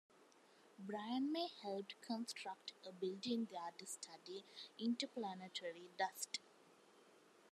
Brian May helped construct a building there to study interplanetary dust.